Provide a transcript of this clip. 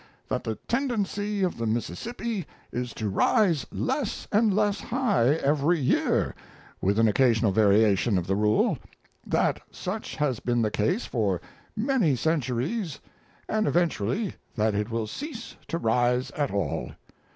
that the tendency of the Mississippi is to rise less and less high every year (with an occasional variation of the rule), that such has been the case for many centuries, and eventually that it will cease to rise at all.